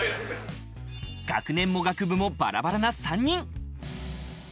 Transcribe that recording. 学年も学部もバラバラな３人。